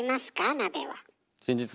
鍋は。